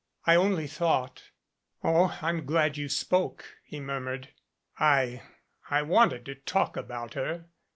I only thought " "Oh, I'm glad you spoke," he murmured. "I I wanted to talk about her.